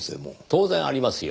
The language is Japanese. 当然ありますよ。